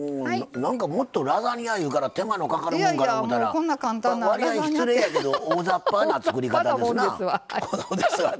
もっとラザニアいうから手間のかかるものかと思ったらわりあい失礼やけど大ざっぱな作り方ですな。